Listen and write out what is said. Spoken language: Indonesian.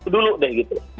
itu deh gitu